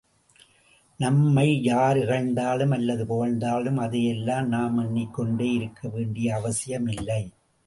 நம்மை யார் இகழ்ந்தாலும் அல்லது புகழ்ந்தாலும் அதையெல்லாம் நாம் எண்ணிக் கொண்டே இருக்க வேண்டிய அவசியமில்லை.